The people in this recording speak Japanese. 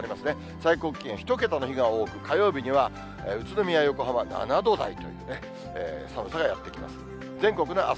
最高気温１桁の日が多く、火曜日には宇都宮、横浜７度台というね、寒さがやって来ます。